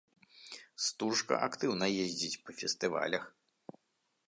Стужка актыўна ездзіць па фестывалях.